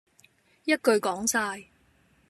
一句講哂